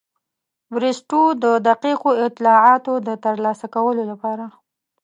بریسټو د دقیقو اطلاعاتو د ترلاسه کولو لپاره.